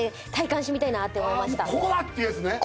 もうここだ！っていうやつね。